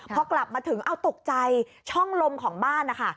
พอกลับมาถึงเอาตกใจช่องลมของบ้านนะคะ